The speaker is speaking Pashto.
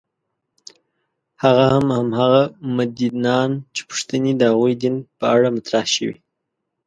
هغه هم هماغه متدینان چې پوښتنې د هغوی دین په اړه مطرح شوې.